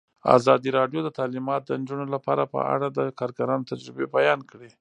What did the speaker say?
ازادي راډیو د تعلیمات د نجونو لپاره په اړه د کارګرانو تجربې بیان کړي.